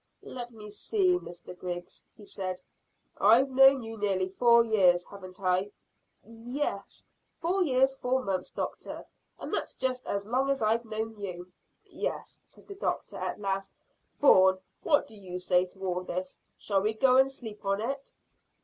"Let me see, Mr Griggs," he said; "I've known you nearly four years, haven't I?" "Four years, four months, doctor, and that's just as long as I've known you." "Yes," said the doctor, at last. "Bourne, what do you say to all this shall we go and sleep on it?"